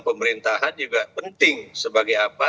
pemerintahan juga penting sebagai apa